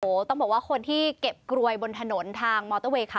โอ้โหต้องบอกว่าคนที่เก็บกรวยบนถนนทางมอเตอร์เวย์ค่ะ